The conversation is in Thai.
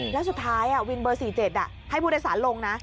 แล้วสุดท้ายวินเบอร์๔๗ให้ผู้โดยสารลงนะ